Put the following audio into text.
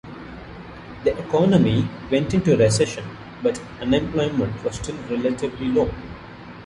The economy went into recession, but unemployment was still relatively low.